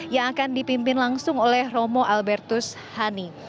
yang akan dipimpin langsung oleh romo albertus hani